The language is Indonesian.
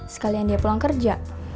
sekalian dia pulang kerja